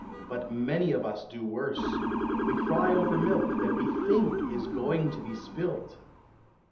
But many of us do worse; we cry over milk that we think is going to be spilt.